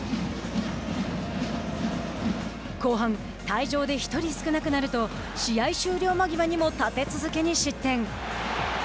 後半、退場で１人少なくなると試合終了間際にも立て続けに失点。